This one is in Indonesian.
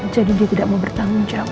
jadi dia tidak mau bertanggung jawab